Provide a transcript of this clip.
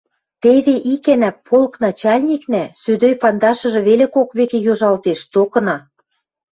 Теве икӓнӓ полк начальникнӓ, сӧдӧй пандашыжы веле кок векӹ йожалтеш, токына